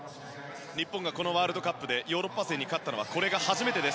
日本がこのワールドカップでヨーロッパ勢に勝ったのはこれが初めてです。